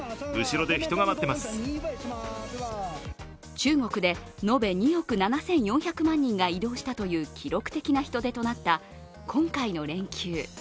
中国で延べ２億７４００万人が移動したという記録的な人出となった今回の連休。